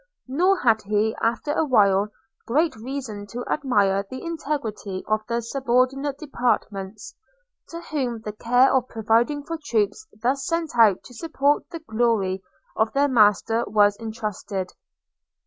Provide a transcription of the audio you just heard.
Nor had he, after a while, great reason to admire the integrity of the subordinate departments, to whom the care of providing for troops thus sent out to support the glory of their master was entrusted.